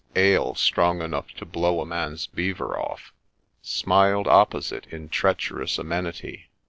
ale strong enough to blow a man's beaver off — smiled opposite in treacherous amenity.